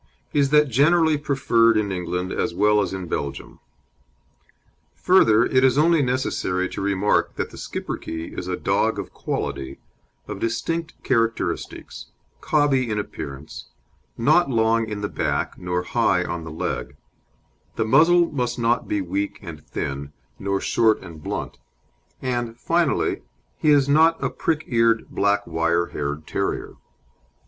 is that generally preferred in England, as well as in Belgium. Further, it is only necessary to remark that the Schipperke is a dog of quality, of distinct characteristics, cobby in appearance, not long in the back, nor high on the leg; the muzzle must not be weak and thin, nor short and blunt; and, finally, he is not a prick eared, black wire haired terrier.